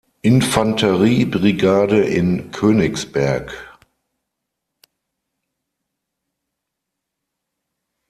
Infanterie-Brigade in Königsberg.